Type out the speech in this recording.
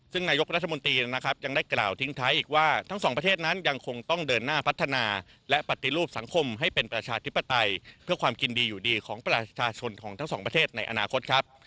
ซึ่งนายกรัฐมนตรีนะครับยังได้กล่าวทิ้งท้ายอีกว่าทั้งสองประเทศนั้นยังคงต้องเดินหน้าพัฒนาและปฏิรูปสังคมให้เป็นประชาธิปไตยเพื่อความกินดีอยู่ดีของประชาชนของทั้งสองประเทศในอนาคตครับ